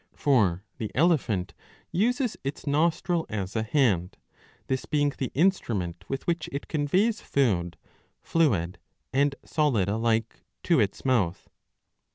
For the elephant uses its nostril as a hand ; this being the instrument with which it conveys food, fluid and solid alike, to its mouth.